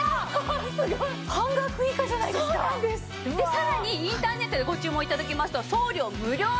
さらにインターネットでご注文頂きますと送料無料でお届け致します！